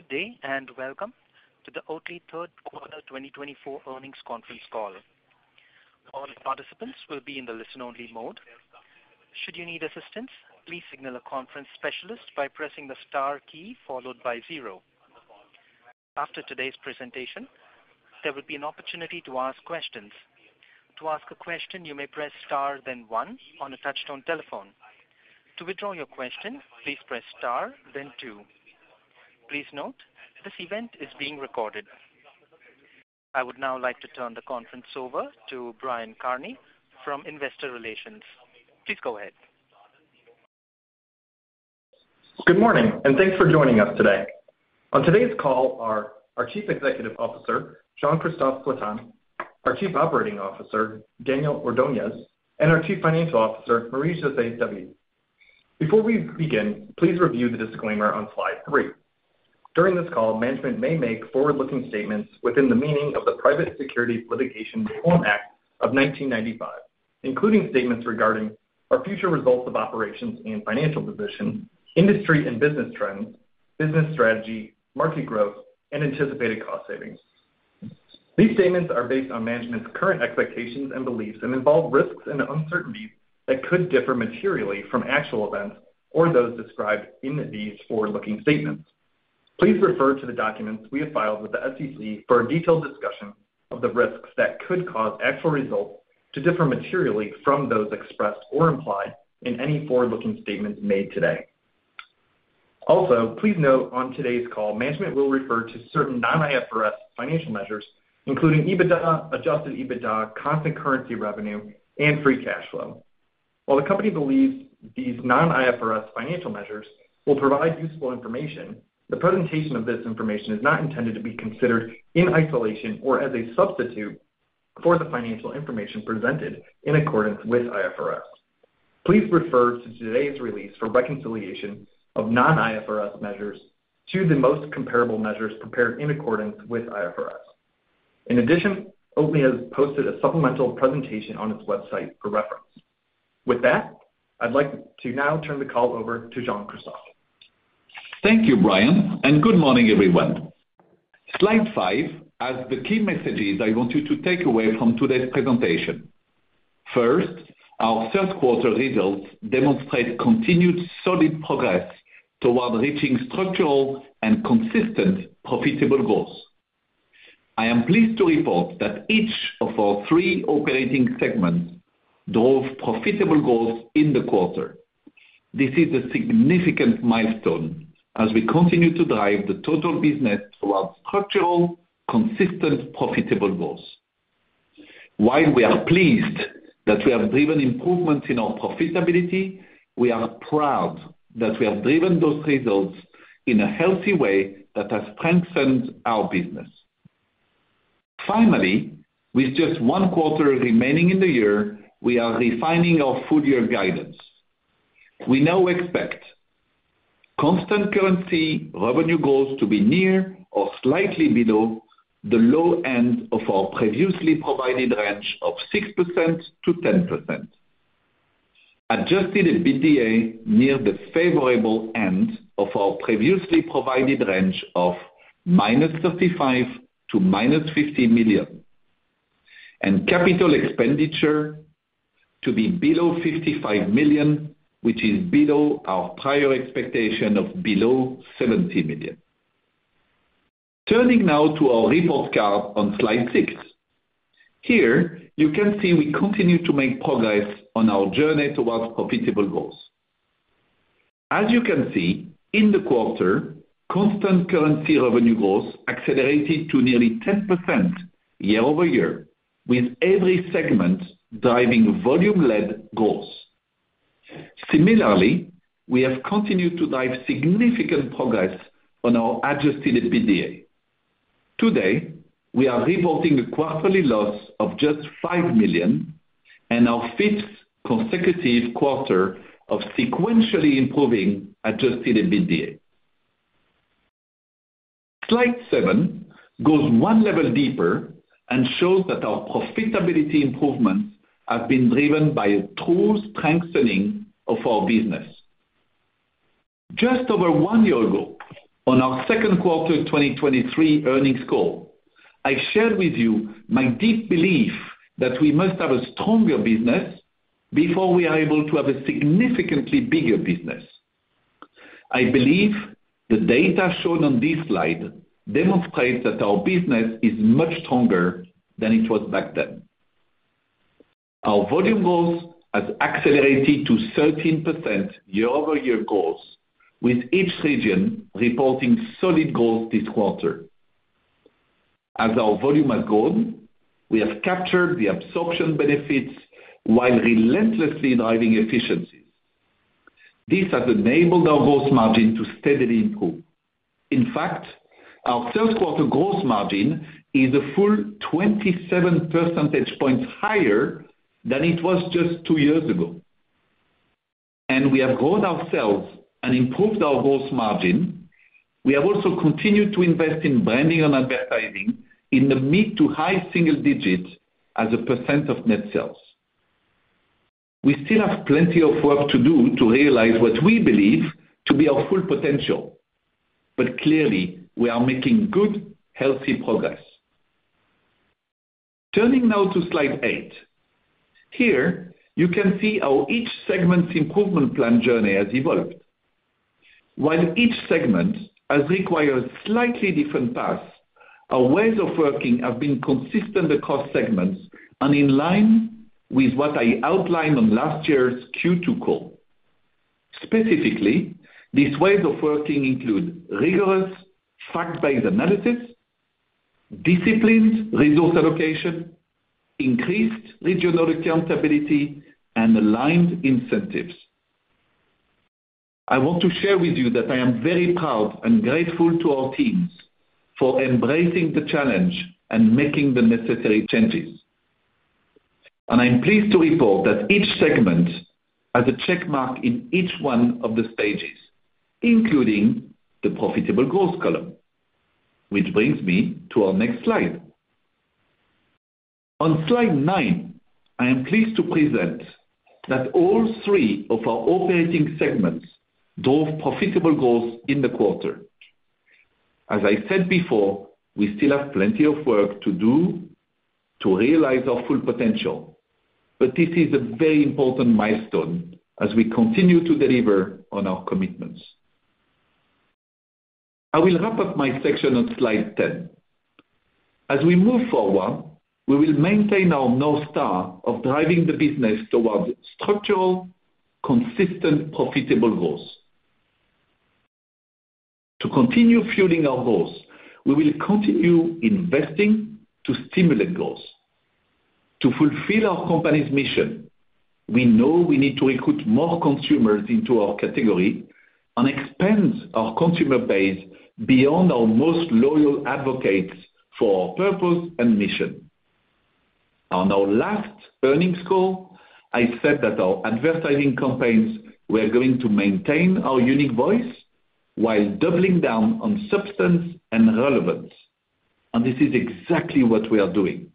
Good day and welcome to the Oatly Third Quarter 2024 Earnings Conference call. All participants will be in the listen-only mode. Should you need assistance, please signal a conference specialist by pressing the star key followed by zero. After today's presentation, there will be an opportunity to ask questions. To ask a question, you may press star, then one, on a touch-tone telephone. To withdraw your question, please press star, then two. Please note, this event is being recorded. I would now like to turn the conference over to Brian Kearney from Investor Relations. Please go ahead. Good morning, and thanks for joining us today. On today's call are our Chief Executive Officer, Jean-Christophe Flatin, our Chief Operating Officer, Daniel Ordoñez, and our Chief Financial Officer, Marie-José David. Before we begin, please review the disclaimer on slide three. During this call, management may make forward-looking statements within the meaning of the Private Securities Litigation Reform Act of 1995, including statements regarding our future results of operations and financial position, industry and business trends, business strategy, market growth, and anticipated cost savings. These statements are based on management's current expectations and beliefs and involve risks and uncertainties that could differ materially from actual events or those described in these forward-looking statements. Please refer to the documents we have filed with the SEC for a detailed discussion of the risks that could cause actual results to differ materially from those expressed or implied in any forward-looking statements made today. Also, please note on today's call, management will refer to certain non-IFRS financial measures, including EBITDA, adjusted EBITDA, constant currency revenue, and free cash flow. While the company believes these non-IFRS financial measures will provide useful information, the presentation of this information is not intended to be considered in isolation or as a substitute for the financial information presented in accordance with IFRS. Please refer to today's release for reconciliation of non-IFRS measures to the most comparable measures prepared in accordance with IFRS. In addition, Oatly has posted a supplemental presentation on its website for reference. With that, I'd like to now turn the call over to Jean-Christophe. Thank you, Brian, and good morning, everyone. Slide five as the key messages I want you to take away from today's presentation. First, our third quarter results demonstrate continued solid progress toward reaching structural and consistent profitable growth. I am pleased to report that each of our three operating segments drove profitable growth in the quarter. This is a significant milestone as we continue to drive the total business toward structural, consistent profitable growth. While we are pleased that we have driven improvements in our profitability, we are proud that we have driven those results in a healthy way that has strengthened our business. Finally, with just one quarter remaining in the year, we are refining our full-year guidance. We now expect constant currency revenue growth to be near or slightly below the low end of our previously provided range of 6%-10%, adjusted EBITDA near the favorable end of our previously provided range of -$35 million to -$50 million, and capital expenditure to be below $55 million, which is below our prior expectation of below $70 million. Turning now to our report card on slide six, here you can see we continue to make progress on our journey towards profitable growth. As you can see, in the quarter, constant currency revenue growth accelerated to nearly 10% year-over-year, with every segment driving volume-led growth. Similarly, we have continued to drive significant progress on our adjusted EBITDA. Today, we are reporting a quarterly loss of just $5 million and our fifth consecutive quarter of sequentially improving adjusted EBITDA. Slide seven goes one level deeper and shows that our profitability improvements have been driven by a true strengthening of our business. Just over one year ago, on our second quarter 2023 earnings call, I shared with you my deep belief that we must have a stronger business before we are able to have a significantly bigger business. I believe the data shown on this slide demonstrates that our business is much stronger than it was back then. Our volume growth have accelerated to 13% year-over-year growth, with each region reporting solid growth this quarter. As our volume has grown, we have captured the absorption benefits while relentlessly driving efficiencies. This has enabled our gross margin to steadily improve. In fact, our third quarter gross margin is a full 27 percentage points higher than it was just two years ago. And we have grown ourselves and improved our gross margin. We have also continued to invest in branding and advertising in the mid- to high-single digits as a % of net sales. We still have plenty of work to do to realize what we believe to be our full potential, but clearly, we are making good, healthy progress. Turning now to slide eight, here you can see how each segment's improvement plan journey has evolved. While each segment has required slightly different paths, our ways of working have been consistent across segments and in line with what I outlined on last year's Q2 call. Specifically, these ways of working include rigorous fact-based analysis, disciplined resource allocation, increased regional accountability, and aligned incentives. I want to share with you that I am very proud and grateful to our teams for embracing the challenge and making the necessary changes. I'm pleased to report that each segment has a check mark in each one of the stages, including the profitable growth column, which brings me to our next slide. On slide nine, I am pleased to present that all three of our operating segments drove profitable growth in the quarter. As I said before, we still have plenty of work to do to realize our full potential, but this is a very important milestone as we continue to deliver on our commitments. I will wrap up my section on slide 10. As we move forward, we will maintain our North Star of driving the business toward structural, consistent, profitable growth. To continue fueling our growth, we will continue investing to stimulate growth. To fulfill our company's mission, we know we need to recruit more consumers into our category and expand our consumer base beyond our most loyal advocates for our purpose and mission. On our last earnings call, I said that our advertising campaigns were going to maintain our unique voice while doubling down on substance and relevance, and this is exactly what we are doing.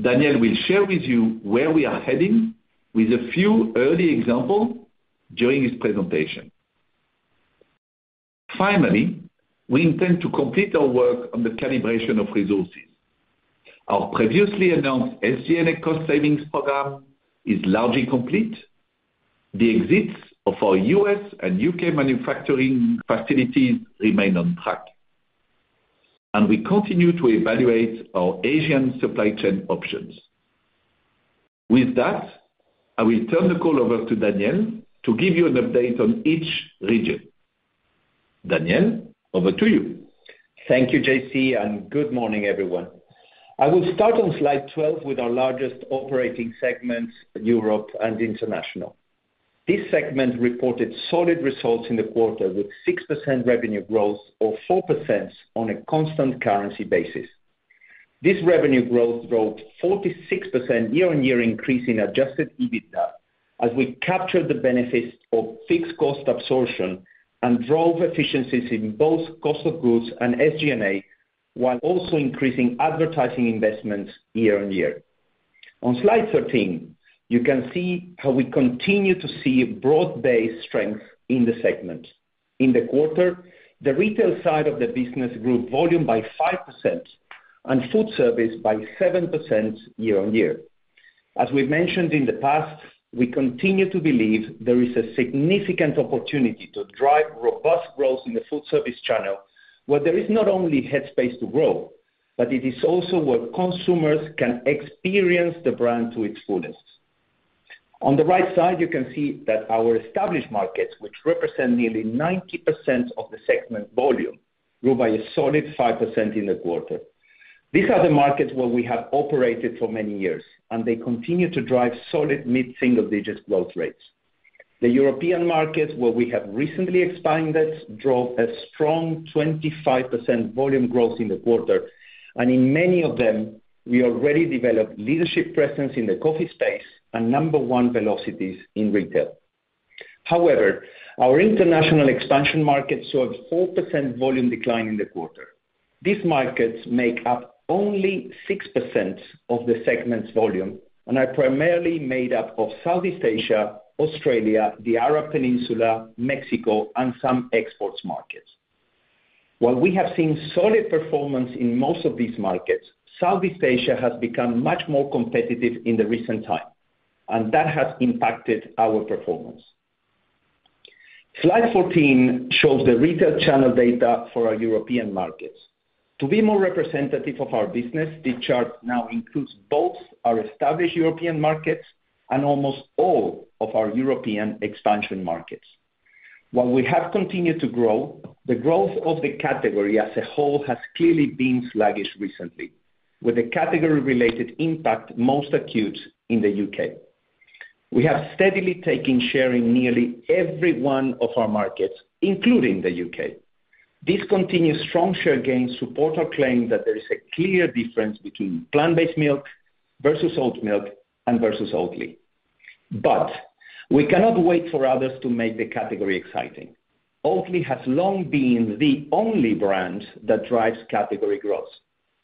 Daniel will share with you where we are heading with a few early examples during his presentation. Finally, we intend to complete our work on the calibration of resources. Our previously announced SG&A cost savings program is largely complete. The exits of our U.S. and U.K. manufacturing facilities remain on track, and we continue to evaluate our Asian supply chain options. With that, I will turn the call over to Daniel to give you an update on each region. Daniel, over to you. Thank you, JC, and good morning, everyone. I will start on slide 12 with our largest operating segments, Europe and international. This segment reported solid results in the quarter, with 6% revenue growth or 4% on a constant currency basis. This revenue growth drove a 46% year-on-year increase in adjusted EBITDA as we captured the benefits of fixed cost absorption and drove efficiencies in both cost of goods and SG&A, while also increasing advertising investments year-on-year. On slide 13, you can see how we continue to see broad-based strength in the segment. In the quarter, the retail side of the business grew volume by 5% and food service by 7% year-on-year. As we've mentioned in the past, we continue to believe there is a significant opportunity to drive robust growth in the food service channel, where there is not only headspace to grow, but it is also where consumers can experience the brand to its fullest. On the right side, you can see that our established markets, which represent nearly 90% of the segment volume, grew by a solid 5% in the quarter. These are the markets where we have operated for many years, and they continue to drive solid mid-single digits growth rates. The European markets, where we have recently expanded, drove a strong 25% volume growth in the quarter, and in many of them, we already developed leadership presence in the coffee space and number one velocities in retail. However, our international expansion markets saw a 4% volume decline in the quarter. These markets make up only 6% of the segment's volume and are primarily made up of Southeast Asia, Australia, the Arab Peninsula, Mexico, and some export markets. While we have seen solid performance in most of these markets, Southeast Asia has become much more competitive in recent times, and that has impacted our performance. Slide 14 shows the retail channel data for our European markets. To be more representative of our business, this chart now includes both our established European markets and almost all of our European expansion markets. While we have continued to grow, the growth of the category as a whole has clearly been sluggish recently, with the category-related impact most acute in the UK. We have steadily taken share in nearly every one of our markets, including the UK. This continuous strong share gain supports our claim that there is a clear difference between plant-based milk versus oat milk and versus Oatly. But we cannot wait for others to make the category exciting. Oatly has long been the only brand that drives category growth,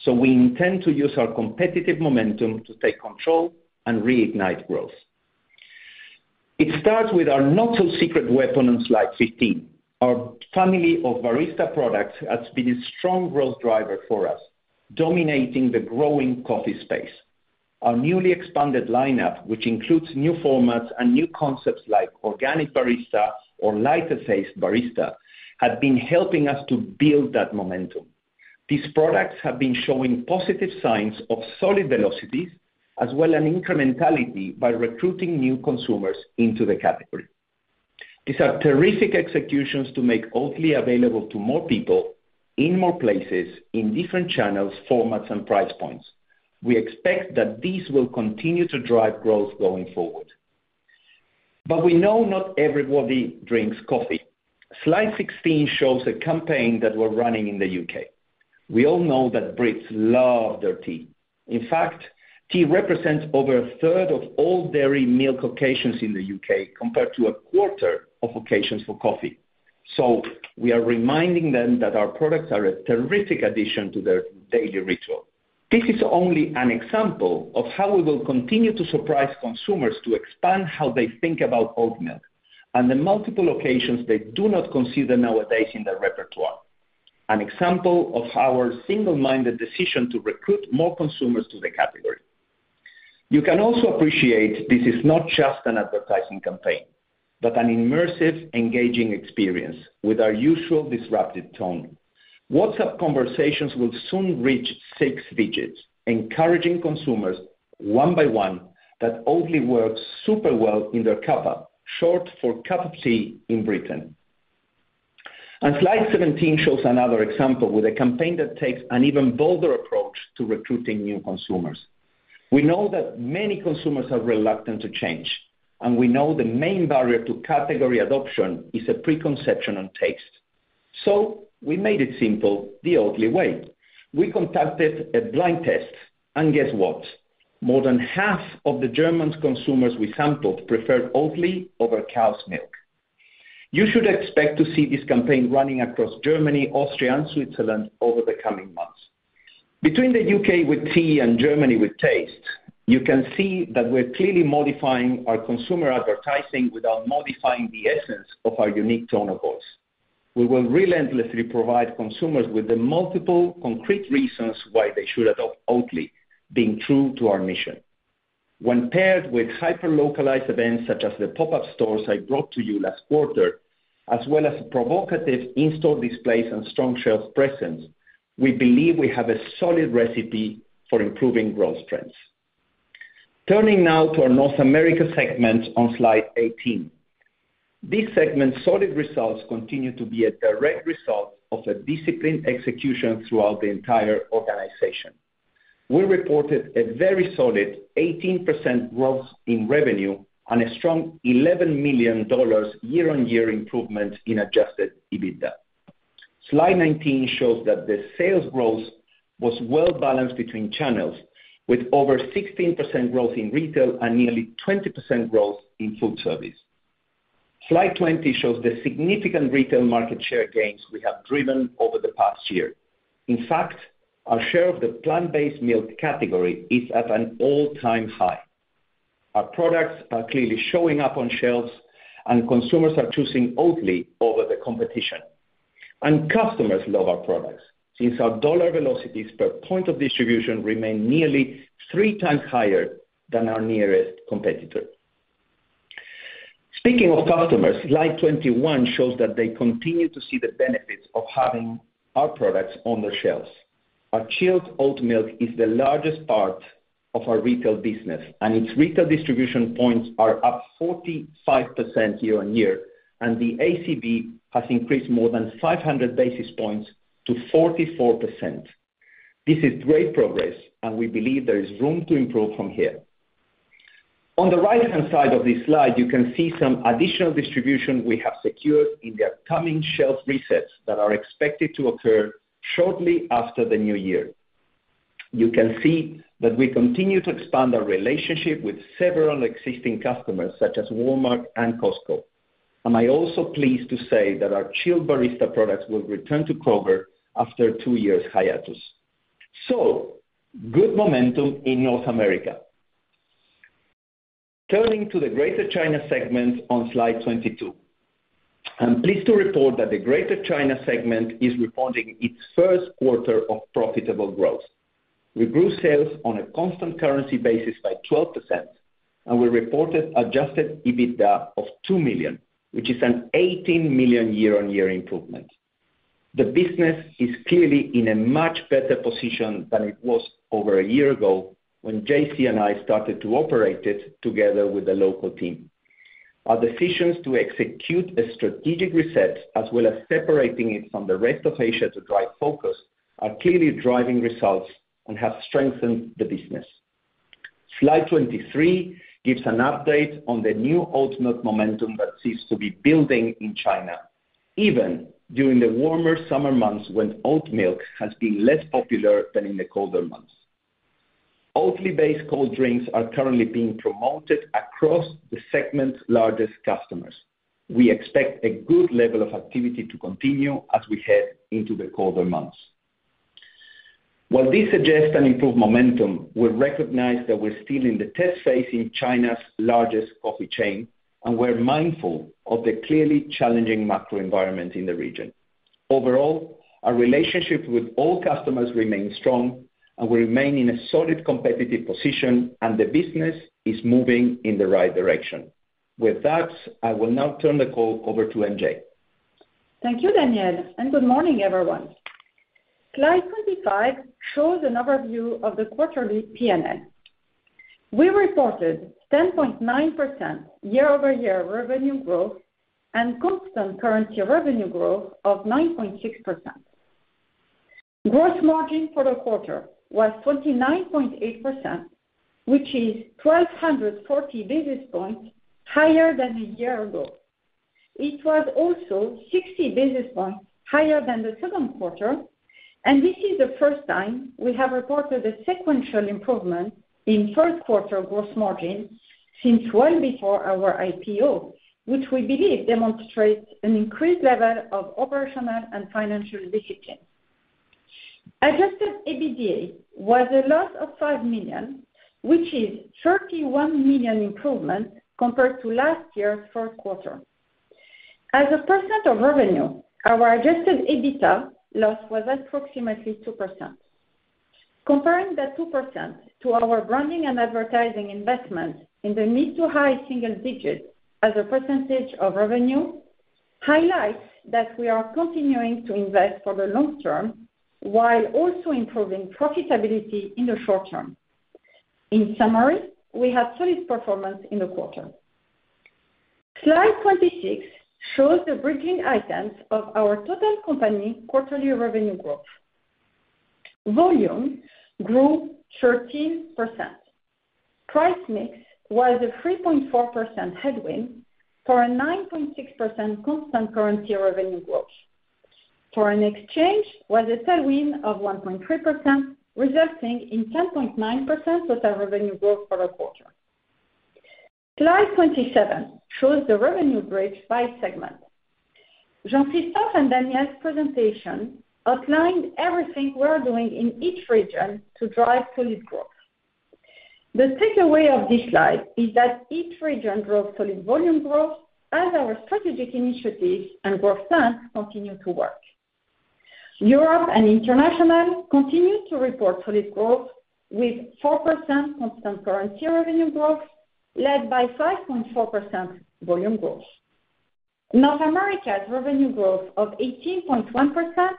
so we intend to use our competitive momentum to take control and reignite growth. It starts with our not-so-secret weapon on slide 15. Our family of barista products has been a strong growth driver for us, dominating the growing coffee space. Our newly expanded lineup, which includes new formats and new concepts like organic barista or lighter taste barista, has been helping us to build that momentum. These products have been showing positive signs of solid velocities, as well as incrementality by recruiting new consumers into the category. These are terrific executions to make Oatly available to more people in more places, in different channels, formats, and price points. We expect that these will continue to drive growth going forward. But we know not everybody drinks coffee. Slide 16 shows a campaign that we're running in the U.K. We all know that Brits love their tea. In fact, tea represents over a third of all dairy milk occasions in the U.K. compared to a quarter of occasions for coffee. So we are reminding them that our products are a terrific addition to their daily ritual. This is only an example of how we will continue to surprise consumers to expand how they think about oat milk and the multiple occasions they do not consider nowadays in their repertoire, an example of our single-minded decision to recruit more consumers to the category. You can also appreciate this is not just an advertising campaign, but an immersive, engaging experience with our usual disruptive tone. WhatsApp conversations will soon reach six digits, encouraging consumers one by one that Oatly works super well in their cuppa, short for cup of tea in Britain, and slide 17 shows another example with a campaign that takes an even bolder approach to recruiting new consumers. We know that many consumers are reluctant to change, and we know the main barrier to category adoption is a preconception on taste, so we made it simple the Oatly way. We conducted a blind test, and guess what? More than half of the German consumers we sampled preferred Oatly over cow's milk. You should expect to see this campaign running across Germany, Austria, and Switzerland over the coming months. Between the UK with tea and Germany with taste, you can see that we're clearly modifying our consumer advertising without modifying the essence of our unique tone of voice. We will relentlessly provide consumers with the multiple concrete reasons why they should adopt Oatly, being true to our mission. When paired with hyper-localized events such as the pop-up stores I brought to you last quarter, as well as provocative in-store displays and strong shelf presence, we believe we have a solid recipe for improving growth trends. Turning now to our North America segment on slide 18, this segment's solid results continue to be a direct result of a disciplined execution throughout the entire organization. We reported a very solid 18% growth in revenue and a strong $11 million year-on-year improvement in Adjusted EBITDA. Slide 19 shows that the sales growth was well-balanced between channels, with over 16% growth in retail and nearly 20% growth in food service. Slide 20 shows the significant retail market share gains we have driven over the past year. In fact, our share of the plant-based milk category is at an all-time high. Our products are clearly showing up on shelves, and consumers are choosing Oatly over the competition. And customers love our products since our dollar velocities per point of distribution remain nearly three times higher than our nearest competitor. Speaking of customers, slide 21 shows that they continue to see the benefits of having our products on their shelves. Our chilled oat milk is the largest part of our retail business, and its retail distribution points are up 45% year-on-year, and the ACV has increased more than 500 basis points to 44%. This is great progress, and we believe there is room to improve from here. On the right-hand side of this slide, you can see some additional distribution we have secured in the upcoming shelf resets that are expected to occur shortly after the new year. You can see that we continue to expand our relationship with several existing customers, such as Walmart and Costco. And I'm also pleased to say that our chilled barista products will return to Kroger after two years hiatus. So good momentum in North America. Turning to the Greater China segment on slide 22, I'm pleased to report that the Greater China segment is reporting its first quarter of profitable growth. We grew sales on a constant currency basis by 12%, and we reported Adjusted EBITDA of $2 million, which is an $18 million year-on-year improvement. The business is clearly in a much better position than it was over a year ago when JC and I started to operate it together with the local team. Our decisions to execute a strategic reset, as well as separating it from the rest of Asia to drive focus, are clearly driving results and have strengthened the business. Slide 23 gives an update on the new oat milk momentum that seems to be building in China, even during the warmer summer months when oat milk has been less popular than in the colder months. Oatly-based cold drinks are currently being promoted across the segment's largest customers. We expect a good level of activity to continue as we head into the colder months. While this suggests an improved momentum, we recognize that we're still in the test phase in China's largest coffee chain, and we're mindful of the clearly challenging macro environment in the region. Overall, our relationship with all customers remains strong, and we remain in a solid competitive position, and the business is moving in the right direction. With that, I will now turn the call over to MJ. Thank you, Daniel, and good morning, everyone. Slide 25 shows an overview of the quarterly P&L. We reported 10.9% year-over-year revenue growth and constant currency revenue growth of 9.6%. Gross margin for the quarter was 29.8%, which is 1,240 basis points higher than a year ago. It was also 60 basis points higher than the second quarter, and this is the first time we have reported a sequential improvement in first quarter gross margin since well before our IPO, which we believe demonstrates an increased level of operational and financial discipline. Adjusted EBITDA was a loss of $5 million, which is a $31 million improvement compared to last year's fourth quarter. As a percent of revenue, our adjusted EBITDA loss was approximately 2%. Comparing that 2% to our branding and advertising investment in the mid-to-high single digits as a percentage of revenue highlights that we are continuing to invest for the long term while also improving profitability in the short term. In summary, we had solid performance in the quarter. Slide 26 shows the bridging items of our total company quarterly revenue growth. Volume grew 13%. Price mix was a 3.4% headwind for a 9.6% constant currency revenue growth. Foreign exchange was a tailwind of 1.3%, resulting in 10.9% total revenue growth for the quarter. Slide 27 shows the revenue bridge by segment. Jean-Christophe and Daniel's presentation outlined everything we are doing in each region to drive solid growth. The takeaway of this slide is that each region drove solid volume growth as our strategic initiatives and growth plans continue to work. Europe and international continue to report solid growth with 4% constant currency revenue growth led by 5.4% volume growth. North America's revenue growth of 18.1%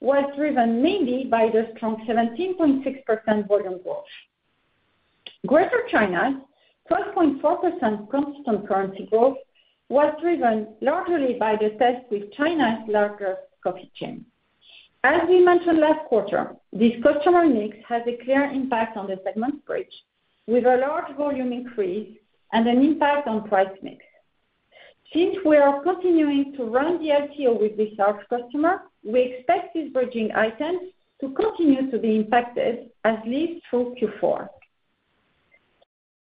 was driven mainly by the strong 17.6% volume growth. Greater China's 12.4% constant currency growth was driven largely by the test with China's larger coffee chain. As we mentioned last quarter, this customer mix has a clear impact on the segment bridge with a large volume increase and an impact on price mix. Since we are continuing to run the LTO with this large customer, we expect these bridging items to continue to be impacted as we lead through Q4.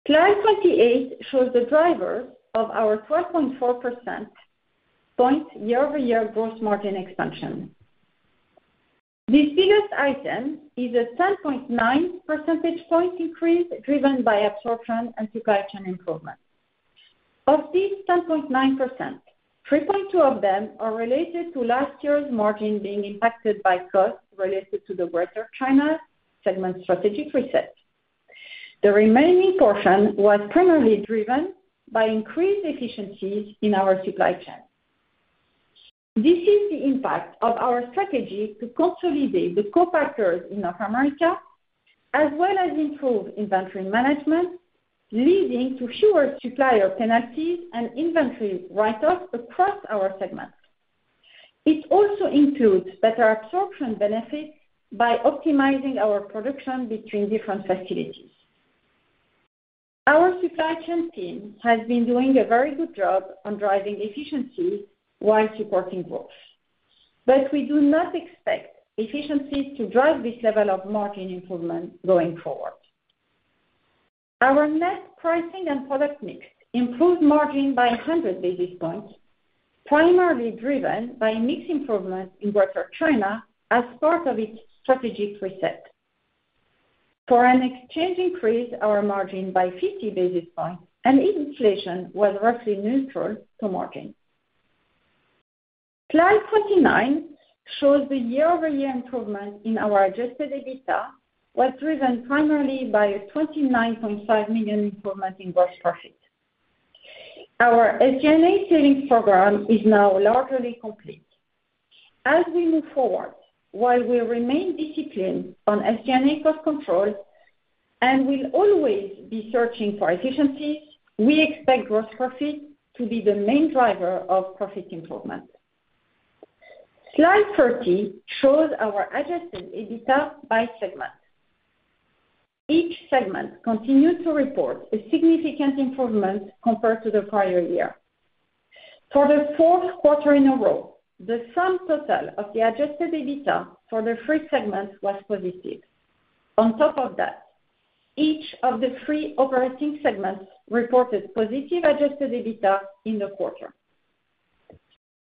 Slide 28 shows the drivers of our 12.4 percentage point year-over-year gross margin expansion. The biggest item is a 10.9 percentage point increase driven by absorption and supply chain improvement. Of these 10.9%, 3.2% of them are related to last year's margin being impacted by costs related to the Greater China segment strategic reset. The remaining portion was primarily driven by increased efficiencies in our supply chain. This is the impact of our strategy to consolidate the core factories in North America, as well as improve inventory management, leading to fewer supplier penalties and inventory write-offs across our segment. It also includes better absorption benefits by optimizing our production between different facilities. Our supply chain team has been doing a very good job on driving efficiency while supporting growth, but we do not expect efficiency to drive this level of margin improvement going forward. Our net pricing and product mix improved margin by 100 basis points, primarily driven by mix improvement in Greater China as part of its strategic reset. Foreign exchange increased our margin by 50 basis points, and inflation was roughly neutral to margin. Slide 29 shows the year-over-year improvement in our adjusted EBITDA, which was driven primarily by a $29.5 million improvement in gross profit. Our SG&A savings program is now largely complete. As we move forward, while we remain disciplined on SG&A cost control and will always be searching for efficiencies, we expect gross profit to be the main driver of profit improvement. Slide 30 shows our adjusted EBITDA by segment. Each segment continued to report a significant improvement compared to the prior year. For the fourth quarter in a row, the sum total of the adjusted EBITDA for the three segments was positive. On top of that, each of the three operating segments reported positive adjusted EBITDA in the quarter.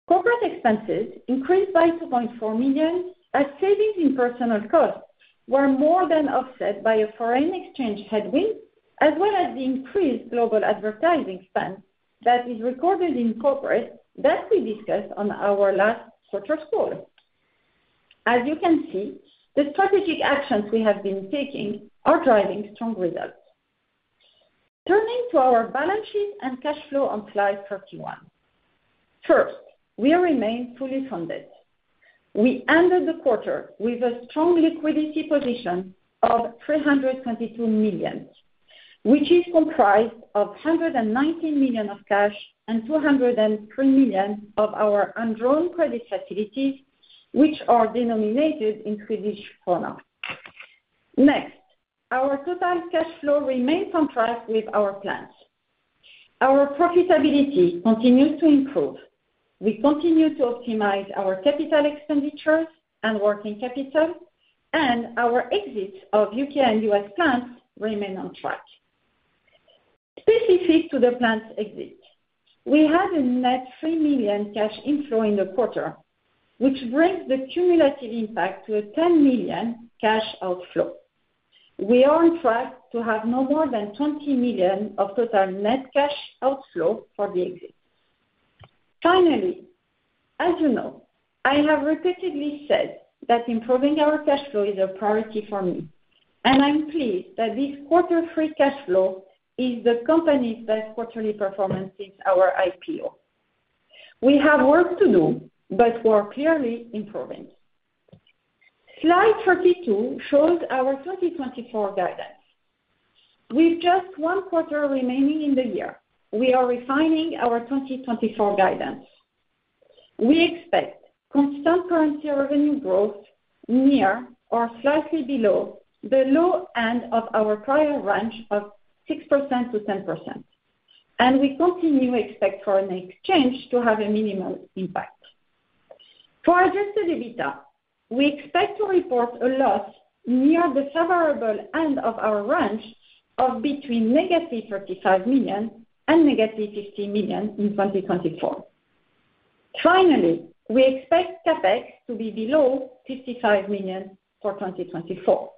Corporate expenses increased by $2.4 million, as savings in personnel costs were more than offset by a foreign exchange headwind, as well as the increased global advertising spend that is recorded in corporate that we discussed on our last quarter's call. As you can see, the strategic actions we have been taking are driving strong results. Turning to our balance sheet and cash flow on slide 31. First, we remain fully funded. We ended the quarter with a strong liquidity position of $322 million, which is comprised of $119 million of cash and $203 million of our undrawn credit facilities, which are denominated in Swedish krona. Next, our total cash flow remains on track with our plans. Our profitability continues to improve. We continue to optimize our capital expenditures and working capital, and our exits of U.K. and U.S. plants remain on track. Specific to the plant exits, we had a net $3 million cash inflow in the quarter, which brings the cumulative impact to a $10 million cash outflow. We are on track to have no more than $20 million of total net cash outflow for the exits. Finally, as you know, I have repeatedly said that improving our cash flow is a priority for me, and I'm pleased that this quarter three cash flow is the company's best quarterly performance since our IPO. We have work to do, but we're clearly improving. Slide 32 shows our 2024 guidance. With just one quarter remaining in the year, we are refining our 2024 guidance. We expect constant currency revenue growth near or slightly below the low end of our prior range of 6%-10%, and we continue to expect foreign exchange to have a minimal impact. For Adjusted EBITDA, we expect to report a loss near the favorable end of our range of between negative $35 million and negative $50 million in 2024. Finally, we expect CapEx to be below $55 million for 2024.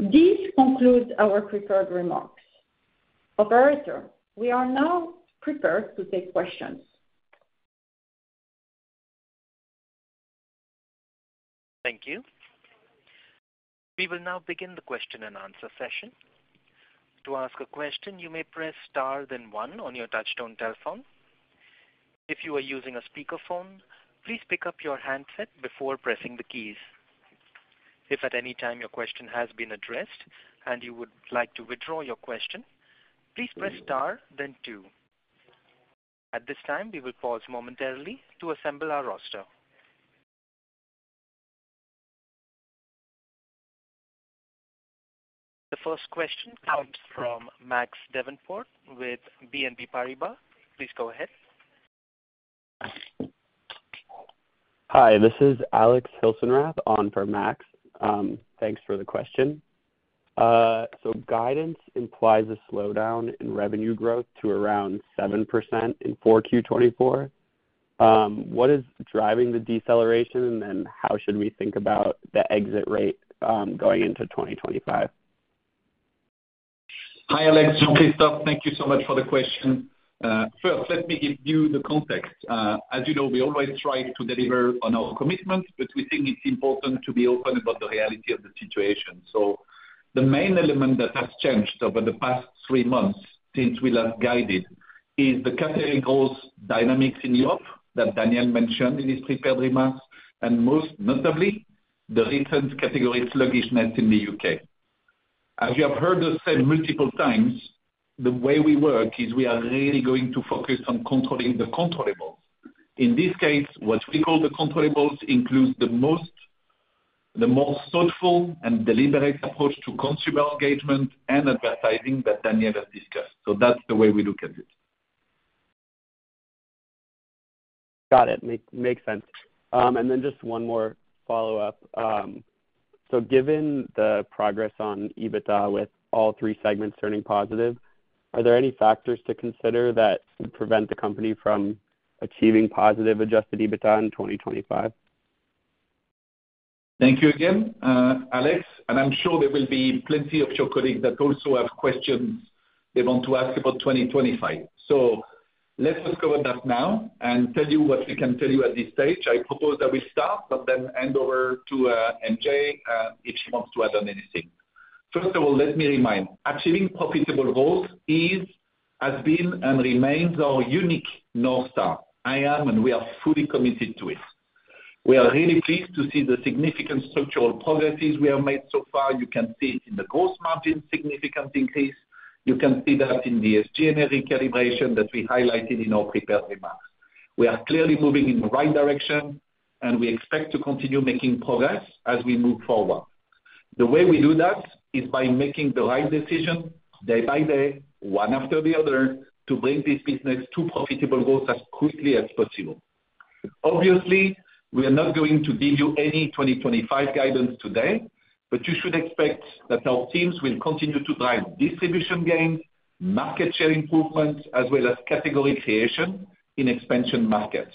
This concludes our prepared remarks. Operator, we are now prepared to take questions. Thank you. We will now begin the question and answer session. To ask a question, you may press star then one on your touch-tone telephone. If you are using a speakerphone, please pick up your handset before pressing the keys. If at any time your question has been addressed and you would like to withdraw your question, please press star then two. At this time, we will pause momentarily to assemble our roster. The first question comes from Max Davenport with BNP Paribas. Please go ahead. Hi, this is Alex Hilsenrath on for Max. Thanks for the question. So guidance implies a slowdown in revenue growth to around 7% in Q4. What is driving the deceleration, and then how should we think about the exit rate going into 2025? Hi, Alex, Jean-Christophe, thank you so much for the question. First, let me give you the context. As you know, we always try to deliver on our commitments, but we think it's important to be open about the reality of the situation. So the main element that has changed over the past three months since we last guided is the catering growth dynamics in Europe that Daniel mentioned in his prepared remarks, and most notably, the recent category sluggishness in the UK. As you have heard us say multiple times, the way we work is we are really going to focus on controlling the controllable. In this case, what we call the controllable includes the most thoughtful and deliberate approach to consumer engagement and advertising that Daniel has discussed. So that's the way we look at it. Got it. Makes sense. And then just one more follow-up. So given the progress on EBITDA with all three segments turning positive, are there any factors to consider that would prevent the company from achieving positive Adjusted EBITDA in 2025? Thank you again, Alex, and I'm sure there will be plenty of your colleagues that also have questions they want to ask about 2025. So let's just cover that now and tell you what we can tell you at this stage. I propose that we start, but then hand over to MJ if she wants to add on anything. First of all, let me remind, achieving profitable growth has been and remains our unique North Star. I am, and we are fully committed to it. We are really pleased to see the significant structural progress we have made so far. You can see it in the gross margin significant increase. You can see that in the SG&A recalibration that we highlighted in our prepared remarks. We are clearly moving in the right direction, and we expect to continue making progress as we move forward. The way we do that is by making the right decision day by day, one after the other, to bring this business to profitable growth as quickly as possible. Obviously, we are not going to give you any 2025 guidance today, but you should expect that our teams will continue to drive distribution gains, market share improvements, as well as category creation in expansion markets.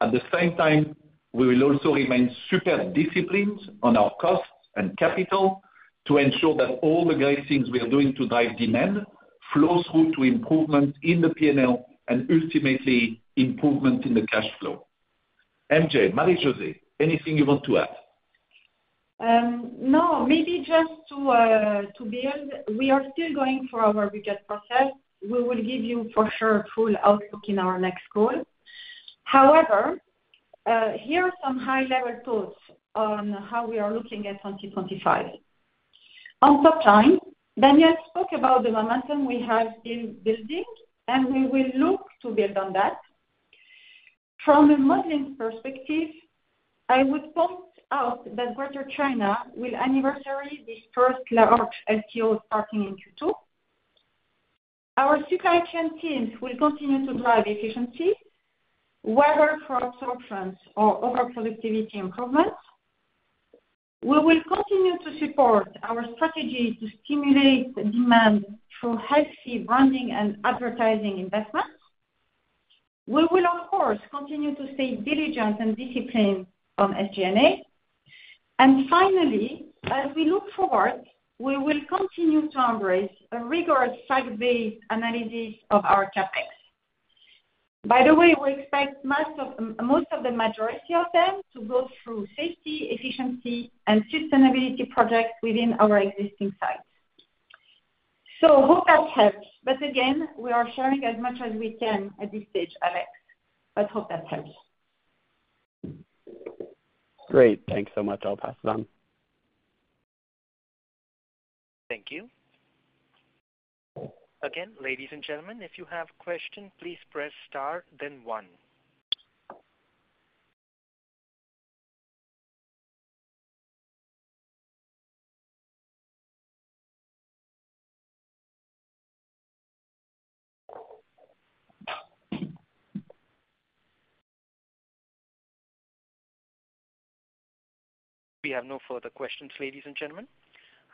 At the same time, we will also remain super disciplined on our costs and capital to ensure that all the great things we are doing to drive demand flow through to improvement in the P&L and ultimately improvement in the cash flow. MJ, Marie-José, anything you want to add? No, maybe just to build, we are still going through our budget process. We will give you for sure a full outlook in our next call. However, here are some high-level thoughts on how we are looking at 2025. On top line, Daniel spoke about the momentum we have been building, and we will look to build on that. From a modeling perspective, I would point out that Greater China will anniversary this first large LTO starting in Q2. Our supply chain teams will continue to drive efficiency, whether for absorptions or overproductivity improvements. We will continue to support our strategy to stimulate demand through healthy branding and advertising investments. We will, of course, continue to stay diligent and disciplined on SG&A. And finally, as we look forward, we will continue to embrace a rigorous fact-based analysis of our CapEx. By the way, we expect most of the majority of them to go through safety, efficiency, and sustainability projects within our existing sites. So hope that helps, but again, we are sharing as much as we can at this stage, Alex, but hope that helps. Great. Thanks so much. I'll pass it on. Thank you. Again, ladies and gentlemen, if you have questions, please press star then one. We have no further questions, ladies and gentlemen.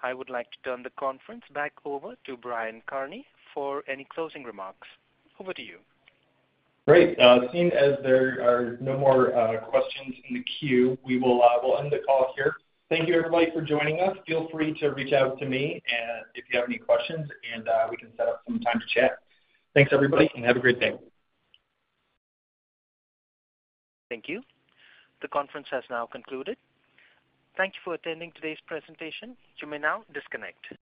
I would like to turn the conference back over to Brian Kearney for any closing remarks. Over to you. Great. Seeing as there are no more questions in the queue, we will end the call here. Thank you, everybody, for joining us. Feel free to reach out to me if you have any questions, and we can set up some time to chat. Thanks, everybody, and have a great day. Thank you. The conference has now concluded. Thank you for attending today's presentation. You may now disconnect.